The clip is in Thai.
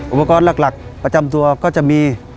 อุปกรณ์หลักประจำตัวก็จะมี